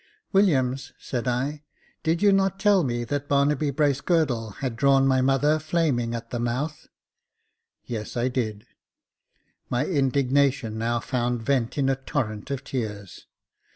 " Williams," said I, " did you not tell me that Barnaby Bracegirdle had drawn my mother flaming at the mouth ?"" Yes, I did." My indignation now found vent in a torrent of tears.